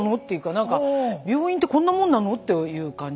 何か病院ってこんなもんなの？という感じ。